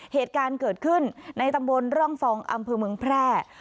เหตุการณ์เกิดขึ้นในตำบลร่องฟองอำเภอเมืองแพร่